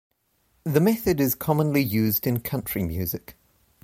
The method is commonly used in country music.